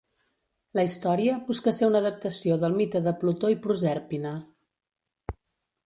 La història busca ser una adaptació del mite de Plutó i Prosèrpina.